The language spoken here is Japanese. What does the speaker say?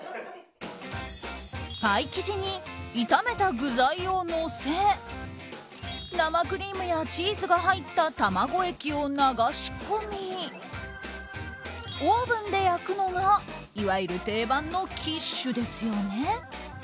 パイ生地に炒めた具材をのせ生クリームやチーズが入った卵液を流し込みオーブンで焼くのがいわゆる定番のキッシュですよね。